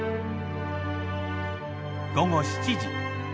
午後７時。